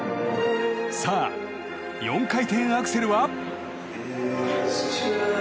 さあ、４回転アクセルは？